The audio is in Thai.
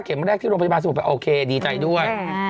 แรกที่โรงพยาบาลสมุทรไปโอเคดีใจด้วย